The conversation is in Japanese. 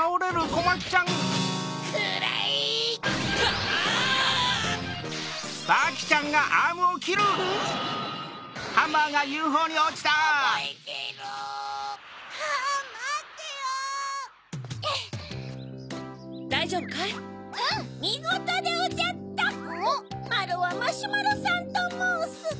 まろはマシュマロさんともうす。